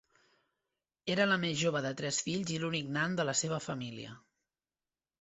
Era la més jove de tres fills i l'únic nan de la seva família.